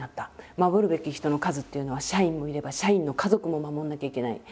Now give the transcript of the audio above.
守るべき人の数っていうのは社員もいれば社員の家族も守んなきゃいけない。